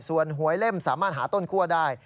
ส่วนหวยเล่มสามารถหาต้นคั่วได้